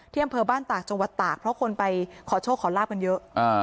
เที่ยมเพอบ้านตากจงวัดตากเพราะคนไปขอโชคขอลาบกันเยอะอ่า